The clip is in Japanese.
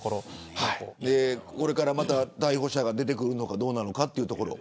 これからまた逮捕者が出てくるのかというところ。